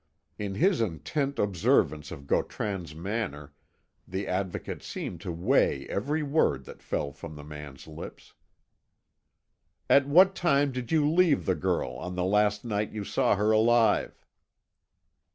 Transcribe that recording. In his intent observance of Gautran's manner the Advocate seemed to weigh every word that fell from the man's lips. "At what time did you leave the girl on the last night you saw her alive?"